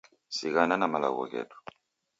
Sighana na malagho ghedu